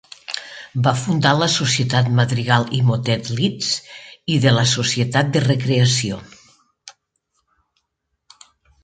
Va fundar la Societat Madrigal i Motet Leeds i de la Societat de Recreació.